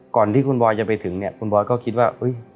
ก่อนที่คุณบอยจะไปถึงเนี่ยคุณบอยก็คิดว่า